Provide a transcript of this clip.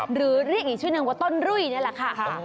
หรือเรียกอีกชื่อนึงว่าต้นรุ่ยนี่แหละค่ะ